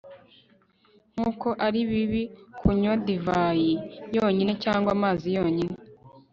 nk'uko ari bibi kunywa divayi yonyine cyangwa amazi yonyine